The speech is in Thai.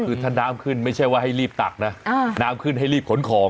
คือถ้าน้ำขึ้นไม่ใช่ว่าให้รีบตักนะน้ำขึ้นให้รีบขนของ